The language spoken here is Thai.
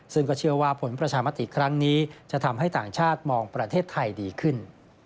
ซึ่งก็เชื่อว่าผลประชามติครั้งนี้จะทำให้ต่างชาติมองประเทศไทยดีขึ้น